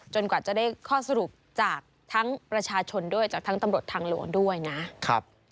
กว่าจะได้ข้อสรุปจากทั้งประชาชนด้วยจากทั้งตำรวจทางหลวงด้วยนะครับ